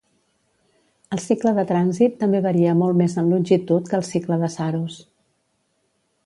El cicle de trànsit també varia molt més en longitud que el cicle de saros.